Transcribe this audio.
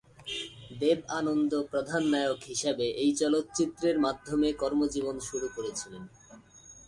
দেব আনন্দ প্রধান নায়ক হিসাবে এই চলচ্চিত্রের মাধ্যমে কর্মজীবন শুরু করেছিলেন।